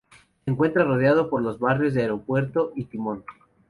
Se encuentra rodeado por los barrios de Aeropuerto y Timón.